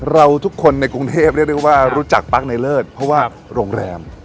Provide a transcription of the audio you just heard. เราทุกคนในกรุงเทพเรียกได้ว่ารู้จักปั๊กในเลิศเพราะว่าโรงแรม